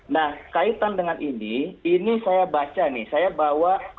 nah kaitan dengan ini ini saya baca nih